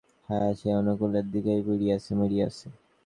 যে সংসারে সে ছিল সে সংসার তার স্বভাবের পক্ষে সব দিকেই অনুকূল।